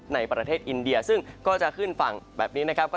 ในประเทศอินเดียซึ่งก็จะขึ้นฝั่งแบบนี้นะครับ